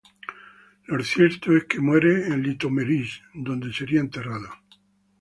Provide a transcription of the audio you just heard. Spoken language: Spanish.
Lo cierto es que muere en Litoměřice, donde sería enterrado.